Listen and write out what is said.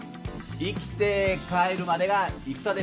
生きて帰るまでが戦です！